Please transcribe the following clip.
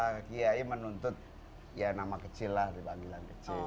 saya menuntut ya nama kecil lah di panggilan kecil